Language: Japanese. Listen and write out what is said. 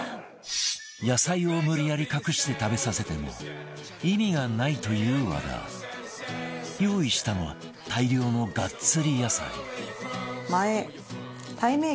野菜を無理やり隠して食べさせても意味がないという和田用意したのは大量のガッツリ野菜和田：たい